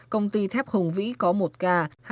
công ty thép hùng vĩ có một ca